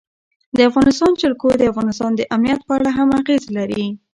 د افغانستان جلکو د افغانستان د امنیت په اړه هم اغېز لري.